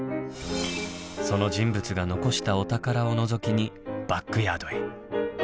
その人物が残したお宝をのぞきにバックヤードへ。